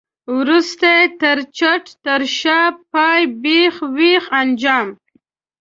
وروستی، تر څټ، تر شا، پای، بېخ، وېخ، انجام.